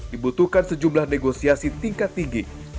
dibutuhkan sejumlah negosiasi tingkat tinggi